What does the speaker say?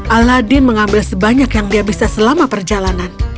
aladin mengambil sebanyak yang dia bisa selama perjalanan